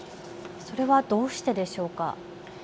それはどうしてでしょうか。